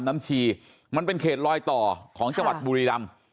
มันเป็นเขตรรอยต่อของจังหวัดบุรีรัมย์